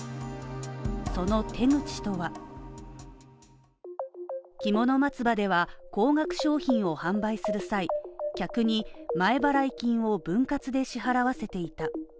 その手口とはきもの松葉では、高額商品を販売する際、逆に前払い金を分割で支払わせていた。